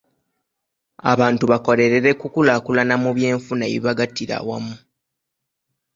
Abantu bakolerera kukulaakulana mu byenfuna ebibagattira awamu.